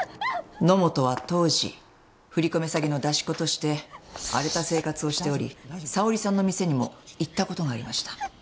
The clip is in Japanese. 野本は当時振り込め詐欺の出し子として荒れた生活をしておりさおりさんの店にも行った事がありました。